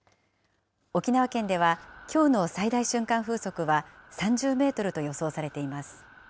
沖縄県では、きょうの最大瞬間風速は３０メートルと予想されています。